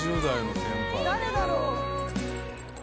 誰だろう？